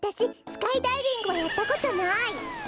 スカイダイビングはやったことない。